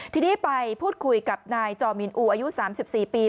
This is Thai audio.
ทีนี้ไปพูดคุยกับนายจอมินอูอายุ๓๔ปี